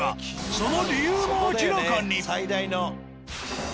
その理由も明らかに！